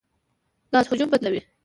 ګاز حجم بدلوي.